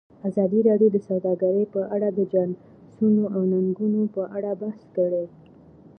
ازادي راډیو د سوداګري په اړه د چانسونو او ننګونو په اړه بحث کړی.